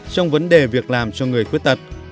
trong vấn đề việc làm cho người khuyết tật